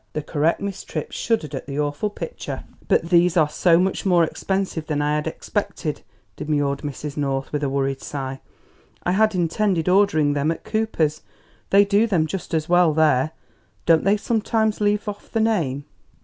The correct Miss Tripp shuddered at the awful picture. "But these are so much more expensive than I had expected," demurred Mrs. North, with a worried sigh. "I had intended ordering them at Cooper's; they do them just as well there. Don't they sometimes leave off the name?"